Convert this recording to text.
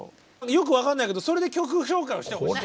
よく分かんないけどそれで曲紹介をしてほしいと。